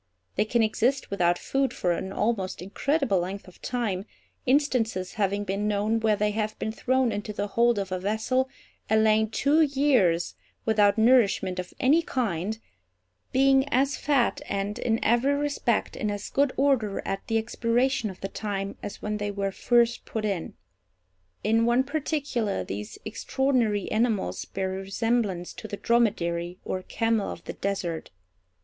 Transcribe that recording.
They can exist without food for an almost incredible length of time, instances having been known where they have been thrown into the hold of a vessel and lain two years without nourishment of any kind—being as fat, and, in every respect, in as good order at the expiration of the time as when they were first put in. In one particular these extraordinary animals bear a resemblance to the dromedary, or camel of the desert.